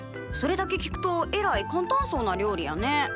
それだけ聞くとえらい簡単そうな料理やね。